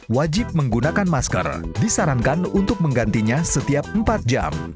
wajib menggunakan masker disarankan untuk menggantinya setiap empat jam